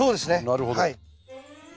なるほど。